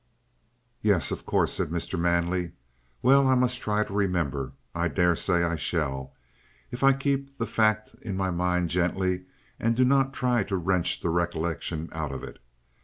"Yes: of course," said Mr. Manley. "Well, I must try to remember. I daresay I shall, if I keep the fact in my mind gently, and do not try to wrench the recollection out of it.